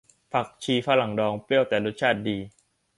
ผักชีฝรั่งดองเปรี้ยวแต่รสชาติดี